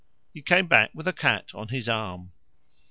He came back with a cat on his arm.